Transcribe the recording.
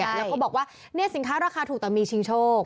แล้วก็บอกว่าเนี่ยสินค้าราคาถูกแต่มีชิงโชค